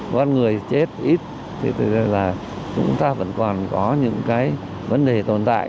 con người chết ít thì chúng ta vẫn còn có những cái vấn đề tồn tại